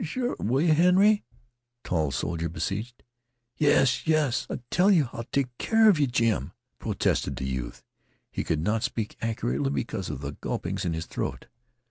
"Sure will yeh, Henry?" the tall soldier beseeched. "Yes yes I tell yeh I'll take care of yeh, Jim!" protested the youth. He could not speak accurately because of the gulpings in his throat.